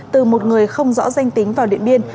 từ một người không rõ danh tính vào điện biên